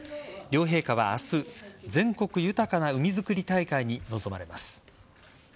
両陛下は明日全国豊かな海づくり大会に臨まれます。